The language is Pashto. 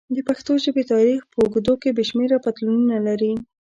د پښتو ژبې تاریخ په اوږدو کې بې شمېره بدلونونه لري.